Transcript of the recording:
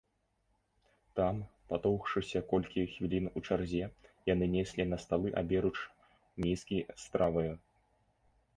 Там, патоўкшыся колькі хвілін у чарзе, яны неслі на сталы аберуч міскі з страваю.